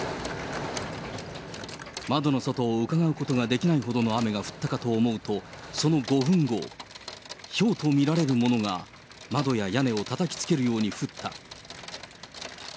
窓の外をうかがうことができないほどの雨が降ったかと思うと、その５分後、ひょうと見られるものが窓や屋根をたたきつけるように降った。